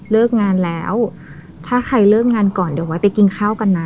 เลิกงานแล้วถ้าใครเลิกงานก่อนเดี๋ยวไว้ไปกินข้าวกันนะ